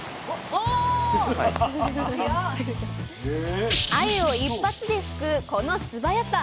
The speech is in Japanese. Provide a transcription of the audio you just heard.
あゆを一発ですくうこの素早さ！